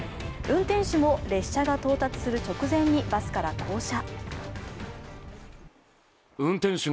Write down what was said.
運転手も列車が到達する直前にバスから降車。